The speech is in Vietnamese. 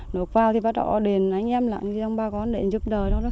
nước vào thì bắt đầu đến anh em lặng dòng ba con đến giúp đỡ